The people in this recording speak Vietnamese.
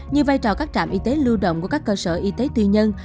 như vai trò các trạm y tế lưu động của các cơ sở y tế tư nhân